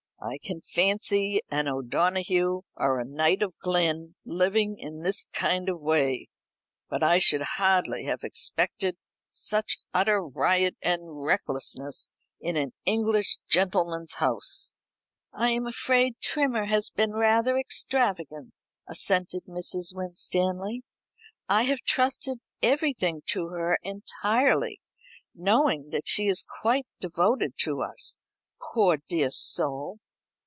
I can fancy an O'Donoghue or a Knight of Glyn living in this kind of way; but I should hardly have expected such utter riot and recklessness in an English gentleman's house." "I am afraid Trimmer has been rather extravagant," assented Mrs. Winstanley. "I have trusted everything to her entirely, knowing that she is quite devoted to us, poor dear soul."